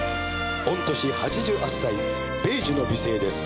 御年８８歳米寿の美声です。